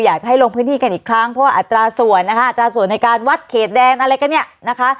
อยากจะให้ลงพื้นที่กันอีกครั้งเพราะว่าอัตราส่วนนะคะอัตราส่วนในการวัดเขตแดนอะไรกันเนี่ยนะคะ